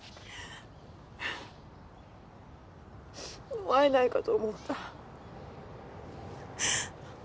もう会えないかと思った。